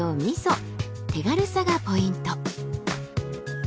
手軽さがポイント。